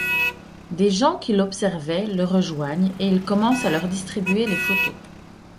Des gens qui l'observaient le rejoignent et il commence à leur distribuer les photos.